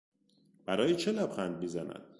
برای چه لبخند میزند؟